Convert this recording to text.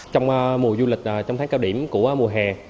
trong mùa du lịch trong tháng cao điểm của mùa hè